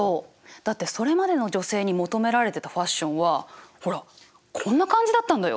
だってそれまでの女性に求められてたファッションはほらこんな感じだったんだよ。